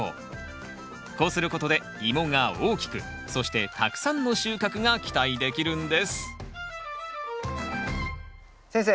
こうすることでイモが大きくそしてたくさんの収穫が期待できるんです先生